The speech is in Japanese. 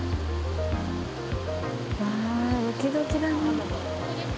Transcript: ああドキドキだね。